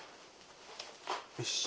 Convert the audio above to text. よし。